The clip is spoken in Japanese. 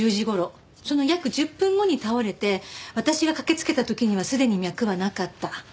その約１０分後に倒れて私が駆けつけた時にはすでに脈はなかった。